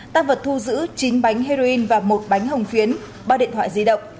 tăng vật thu giữ chín bánh heroin và một bánh hồng phiến ba điện thoại di động